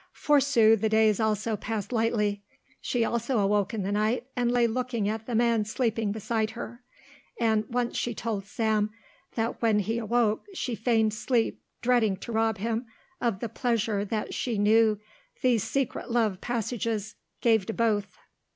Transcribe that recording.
For Sue the days also passed lightly. She also awoke in the night and lay looking at the man sleeping beside her, and once she told Sam that when he awoke she feigned sleep dreading to rob him of the pleasure that she knew these secret love passages gave to both.